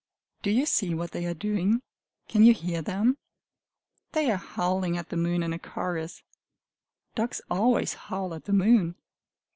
Do you see what they are doing? Can you hear them? They are howling at the moon in a chorus. Dogs always howl at the moon.